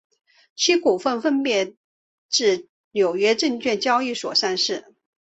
其股份分别自纽约证券交易所上市。